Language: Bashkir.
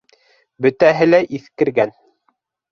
Бөтәһе лә иҫкергән.